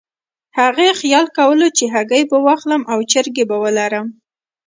هغې خیال کولو چې هګۍ به واخلم او چرګې به ولرم.